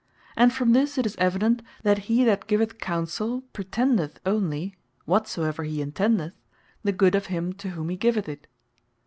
And from this it is evident, that he that giveth Counsell, pretendeth onely (whatsoever he intendeth) the good of him, to whom he giveth it.